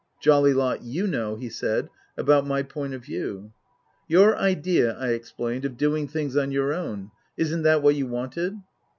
" Jolly lot you know," he said, " about my point of view." " Your idea," I explained, " of doing things on your own. Isn't that what you wanted